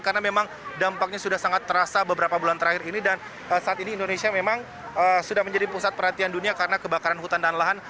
karena memang dampaknya sudah sangat terasa beberapa bulan terakhir ini dan saat ini indonesia memang sudah menjadi pusat perhatian dunia karena kebakaran hutan dan lahan